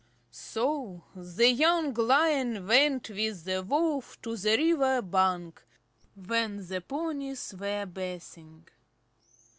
So the young Lion went with the Wolf to the river bank when the ponies were bathing.